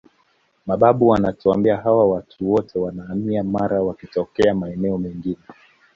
Mababu wanatuambia hawa watu wote wamehamia Mara wakitokea maeneo mengine